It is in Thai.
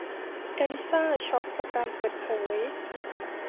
เอลิซ่าช็อคจากการเปิดเผย